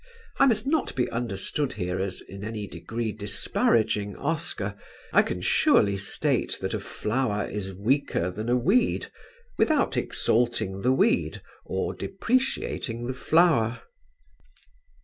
I must not be understood here as in any degree disparaging Oscar. I can surely state that a flower is weaker than a weed without exalting the weed or depreciating the flower.